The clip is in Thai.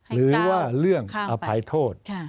หรือว่าเรื่องอภัยโทษ